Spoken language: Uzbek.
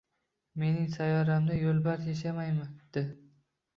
Mening sayyoramda yo'lbars yashamaydi